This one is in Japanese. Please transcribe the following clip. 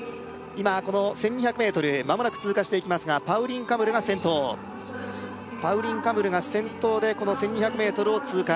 今この１２００ｍまもなく通過していきますがパウリン・カムルが先頭パウリン・カムルが先頭でこの１２００ｍを通過